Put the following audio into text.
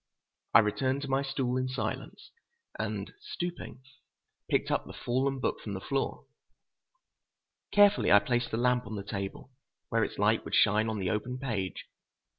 I returned to my stool in silence, and stooping, picked up the fallen book from the floor. Carefully I placed the lamp on the table, where its light would shine on the open page.